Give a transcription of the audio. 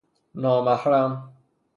نامحرم